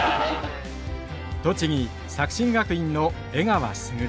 栃木・作新学院の江川卓。